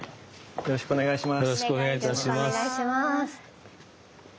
よろしくお願いします。